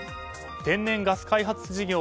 天然ガス開発事業